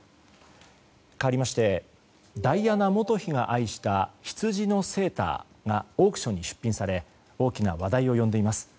かわりましてダイアナ元妃が愛したヒツジのセーターがオークションに出品され大きな話題を呼んでいます。